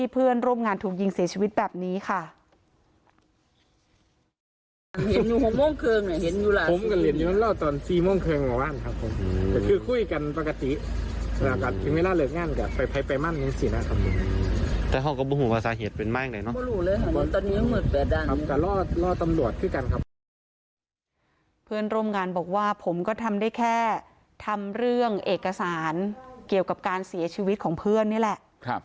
เพื่อนร่วมงานบอกว่าผมก็ทำได้แค่ทำเรื่องเอกสารเกี่ยวกับการเสียชีวิตของเพื่อนนี่แหละ